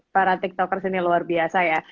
para tiktokers ini luar biasa ya